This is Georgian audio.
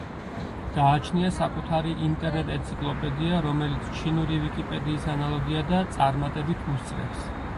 გააჩნია საკუთარი ინტერნეტ-ენციკლოპედია, რომელიც ჩინური ვიკიპედიის ანალოგია და წარმატებით უსწრებს.